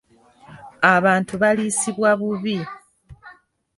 Abantu baliisibwa bubi.